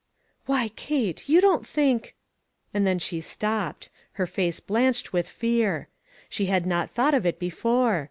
"Why, Kate, you don't think!" And then she stopped; her face blanched with fear. She had not thought of it be fore.